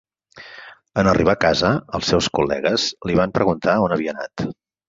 En arribar a casa, els seus col·legues li van preguntar on havia anat.